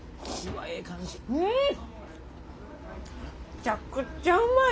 めちゃくちゃうまい。